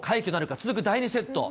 続く第２セット。